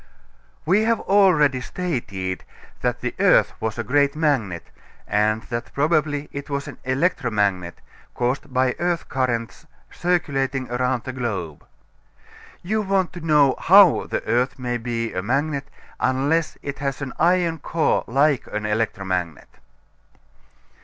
We have already stated that the earth was a great magnet, and that probably it was an electromagnet, caused by earth currents circulating around the globe. You want to know how the earth can be a magnet unless it has an iron core like an electromagnet.